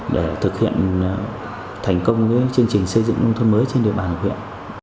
để thực hiện thành công chương trình xây dựng nông thôn mới trên địa bàn huyện